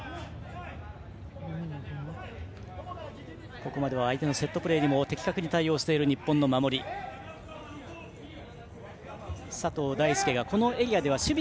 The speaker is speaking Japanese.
ここまで相手のセットプレーにも対応している日本の守り。